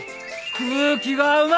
空気がうまい！